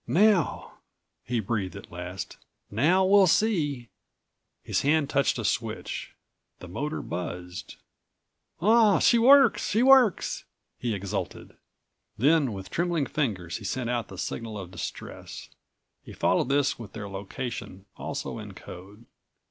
"Now," he breathed at last, "now we'll see!" His hand touched a switch. The motor buzzed. "Ah! She works! She works!" he exulted. Then with trembling fingers he sent out the signal of distress. He followed this with their location, also in code.